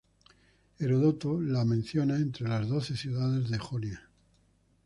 Heródoto la menciona entre las doce ciudades de Jonia.